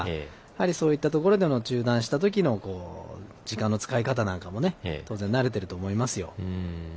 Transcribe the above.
そういったところでの中断したときの時間の使い方なんかも当然、慣れてると思いますよ。